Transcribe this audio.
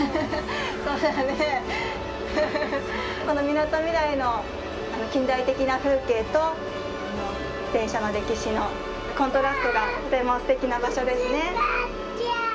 このみなとみらいの近代的な風景と電車の歴史のコントラストがとてもすてきな場所ですね。